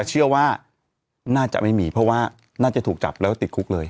เชื่อว่าน่าจะไม่มีเพราะว่าน่าจะถูกจับแล้วติดคุกเลย